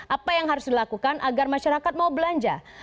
apa yang harus dilakukan agar masyarakat mau belanja